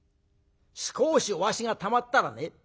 少しおあしがたまったらね